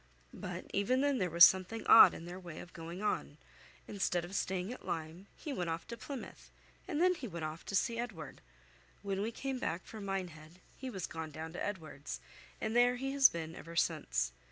But even then there was something odd in their way of going on. Instead of staying at Lyme, he went off to Plymouth, and then he went off to see Edward. When we came back from Minehead he was gone down to Edward's, and there he has been ever since.